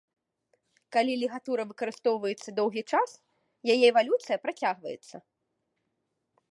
Калі лігатура выкарыстоўваецца доўгі час, яе эвалюцыя працягваецца.